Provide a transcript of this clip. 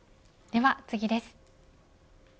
では次です。